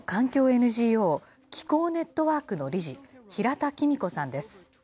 ＮＧＯ気候ネットワークの理事、平田仁子さんです。